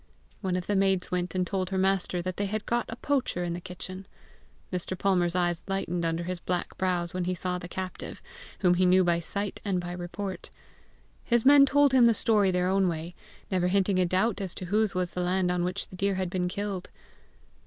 One of the maids went and told her master that they had got a poacher in the kitchen. Mr. Palmer's eyes lightened under his black brows when he saw the captive, whom he knew by sight and by report. His men told him the story their own way, never hinting a doubt as to whose was the land on which the deer had been killed.